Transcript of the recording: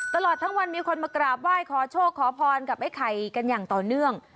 ตลอดทั้งวันมีคนมากราบไหว้ขอโชคขอพรกับไอ้ไข่กันอย่างต่อเนื่อง